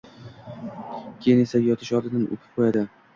keyin esa yotish oldidan o‘pib qo‘yadi.